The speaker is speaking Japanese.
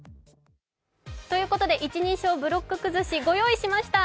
ということで一人称ブロック崩し、ご用意しました。